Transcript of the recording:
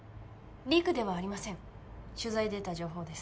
リークではありません取材で得た情報です